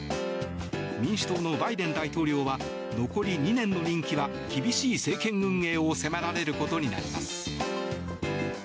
民主党のバイデン大統領は残り２年の任期は厳しい政権運営を迫られることになります。